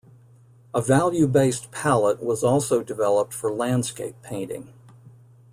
A value based palette was also developed for landscape painting.